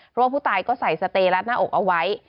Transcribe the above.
เพราะว่าผู้ตายก็ใส่สเตรัดหน้าอกเอาไว้